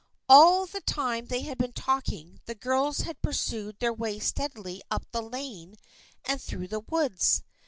All the time they had been talking the girls had pursued their way steadily up the lane and through the woods.